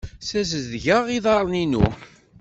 Ssazedgeɣ iḍarren-inu.